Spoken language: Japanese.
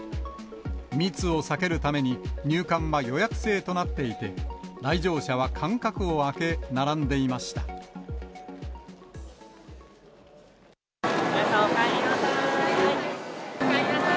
密を避けるために、入館は予約制となっていて、来場者は間隔を空け、皆さん、おかえりなさい。